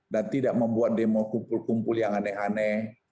dan tidak membuat demo kumpul kumpul yang aneh aneh